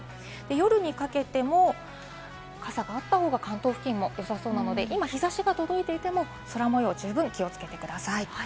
夜にかけても傘があった方が関東付近も良さそうなので今、日差しが届いていても空模様、十分気をつけてください。